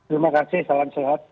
terima kasih salam sehat